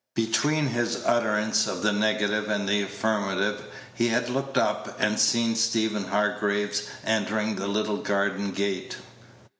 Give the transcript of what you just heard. Between his utterance of the negative and the affirmative he had looked up and seen Stephen Hargraves entering the little garden gate.